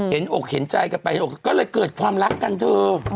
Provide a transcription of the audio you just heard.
เห็นอกเห็นใจกับไอ้ไป๊ต์ก็เลยเกิดความรักกันเธอ